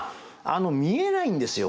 見えないんですよ